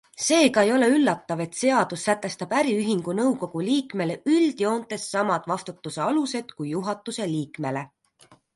Seega ei ole üllatav, et seadus sätestab äriühingu nõukogu liikmele üldjoontes samad vastutuse alused kui juhatuse liikmele.